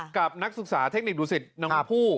นักศึกษาเทคนิคดูสิตน้องผู้